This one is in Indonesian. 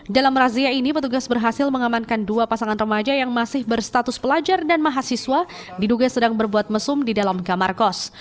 dalam razia ini petugas berhasil mengamankan dua pasangan remaja yang masih berstatus pelajar dan mahasiswa diduga sedang berbuat mesum di dalam kamar kos